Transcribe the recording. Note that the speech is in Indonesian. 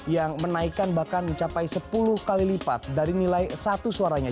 yang menaikkan bahkan mencapai sepuluh kali lipat dari nilai satu suaranya